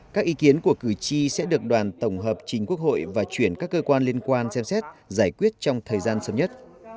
các ý kiến của cử tri sẽ được đoàn tổng hợp trình quốc hội và chuyển các cơ quan liên quan xem xét giải quyết trong thời gian sớm nhất